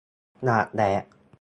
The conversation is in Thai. อยากแดก